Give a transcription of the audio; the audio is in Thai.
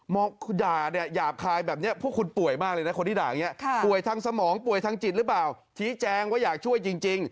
ม้อกด่าเนี่ยหยาบคายแบบนี้